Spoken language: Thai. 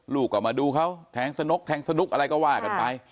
ลูกก็มาดูเขาแทงสนุกแทงสนุกอะไรก็ว่ากันไป